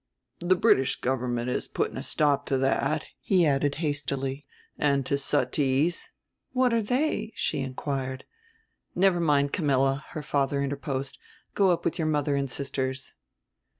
"The British Government is putting a stop to that," he added hastily, "and to suttees " "What are they?" she inquired. "Never mind, Camilla," her father interposed; "go up with your mother and sisters.